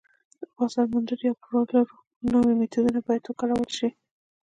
د بازار موندنې یا پلورلو نوي میتودونه باید وکارول شي